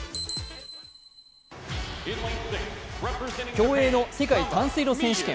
競泳の世界短水路選手権。